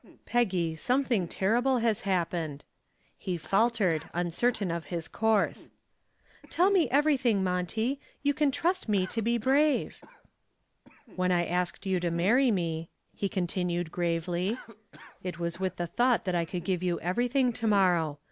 "Peggy, something terrible has happened," he faltered, uncertain of his course. "Tell me everything, Monty, you can trust me to be brave." "When I asked you to marry me," he continued gravely, "it was with the thought that I could give you everything to morrow.